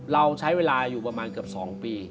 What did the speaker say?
เราใช้เวลาอยู่ประมาณเกือบ๒ปี